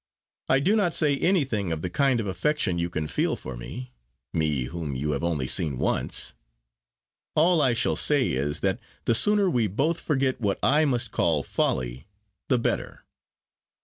I do not say anything of the kind of affection you can feel for me me, whom you have only seen once. All I shall say is, that the sooner we both forget what I must call folly, the better."